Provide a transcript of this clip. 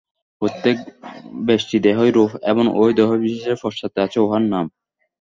প্রত্যেক ব্যষ্টিদেহই রূপ এবং ঐ দেহবিশেষের পশ্চাতে আছে উহার নাম।